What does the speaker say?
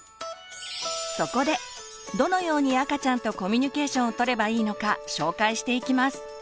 そこでどのように赤ちゃんとコミュニケーションをとればいいのか紹介していきます。